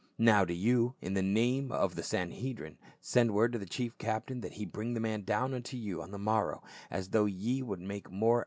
Now do you, in the name of the Sanhedrim, send word to the chief captain that he bring the man down unto you on the morrow, as though ye would make more